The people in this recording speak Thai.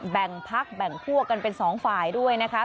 แบ่งพักแบ่งพวกกันเป็นสองฝ่ายด้วยนะคะ